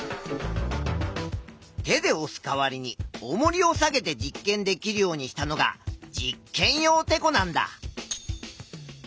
手でおす代わりにおもりを下げて実験できるようにしたのが実験用てこなんだ。